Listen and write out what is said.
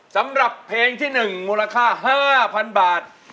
สำหรับเพลงที่๑มูลค่า๕๐๐๐บาท